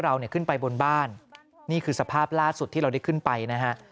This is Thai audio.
เราเนี่ยขึ้นไปบนบ้านนี่คือสภาพล่าสุดที่เราได้ขึ้นไปนะฮะ